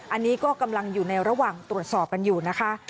อันนี้ก็กำลังอยู่ในระหว่างตรวจสอบกันอยู่นะคะ